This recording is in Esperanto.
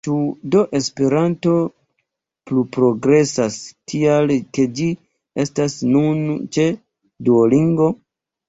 Ĉu do Esperanto pluprogresas, tial ke ĝi estas nun ĉe Duolingo?